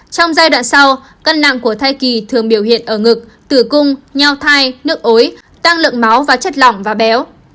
trong giai đoạn sau cân nặng của thai kỳ thường biểu hiện ở ngực tử cung nhao thai nước ối tăng lượng máu và chất lỏng và béo